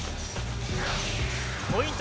ポイント